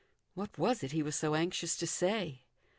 What was it he was so anxious to say